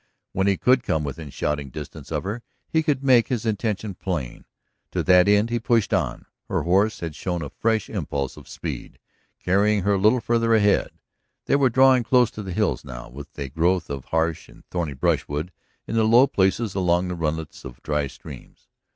When he could come within shouting distance of her, he could make his intention plain. To that end he pushed on. Her horse had shown a fresh impulse of speed, carrying her a little farther ahead. They were drawing close to the hills now, with a growth of harsh and thorny brushwood in the low places along the runlets of dry streams.